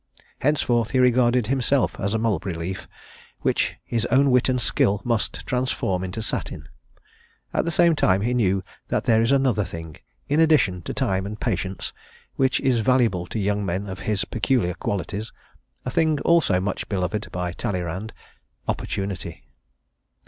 Henceforth, he regarded himself as a mulberry leaf which his own wit and skill must transform into satin: at the same time he knew that there is another thing, in addition to time and patience, which is valuable to young men of his peculiar qualities, a thing also much beloved by Talleyrand opportunity.